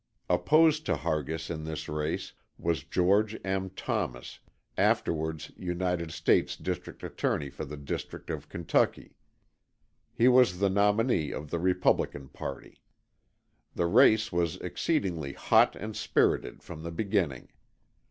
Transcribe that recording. Opposed to Hargis in this race was Geo. M. Thomas, afterwards United States District Attorney for the District of Kentucky. He was the nominee of the Republican party. The race was exceedingly hot and spirited from the beginning.